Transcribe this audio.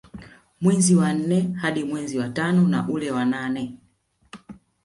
Mwezi wa nne hadi mwezi wa tano na ule wa nane